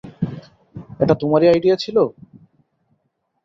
এটা তোমারই আইডিয়া ছিল?